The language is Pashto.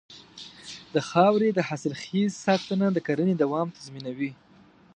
د خاورې د حاصلخېزۍ ساتنه د کرنې دوام تضمینوي.